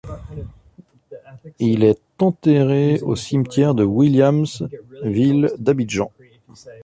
Il est enterré au cimetière de Williams-ville d'Abidjan.